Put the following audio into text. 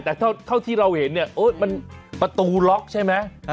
แต่เท่าที่เราเห็นเนี่ยมันประตูล็อกใช่ไหม